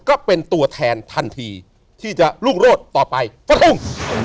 ก็เป็นตัวแทนทันทีที่จะรุ่งโรดต่อไปฟะลุง